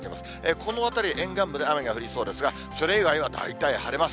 このあたり沿岸部で雨が降りそうですが、それ以外は大体晴れます。